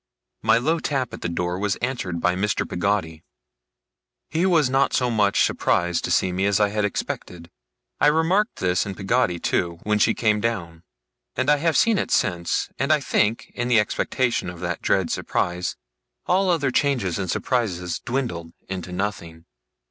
My low tap at the door was answered by Mr. Peggotty. He was not so much surprised to see me as I had expected. I remarked this in Peggotty, too, when she came down; and I have seen it since; and I think, in the expectation of that dread surprise, all other changes and surprises dwindle into nothing.